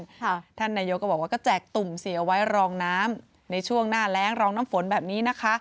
ท่านนายกก็บอกว่าก็แจกตุ่มเสียไว้รองน้ำในช่วงหน้าแรงรองน้ำฝนแบบนี้นะคะ